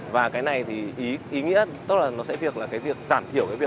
và cái này thì ý nghĩa tức là nó sẽ việc là cái việc giảm thiểu cái vấn tay